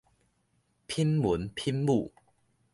品文品武